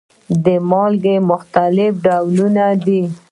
د مالګې مختلف ډولونه دي.